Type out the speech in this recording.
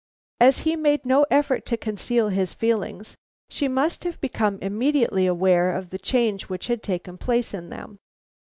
"As he made no effort to conceal his feelings, she must have become immediately aware of the change which had taken place in them.